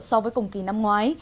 so với cùng kỳ năm ngoái